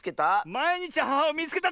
「まいにちアハハをみいつけた！」